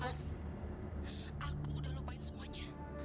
mas aku udah lupain semuanya